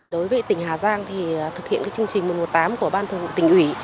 đối với tỉnh hà giang thì thực hiện chương trình một trăm một mươi tám của ban thường vụ tỉnh ủy